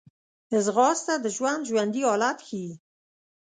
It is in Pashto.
ځغاسته د ژوند ژوندي حالت ښيي